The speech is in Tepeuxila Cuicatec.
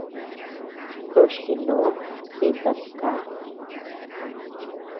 Toch jinoo, jinta tikaa.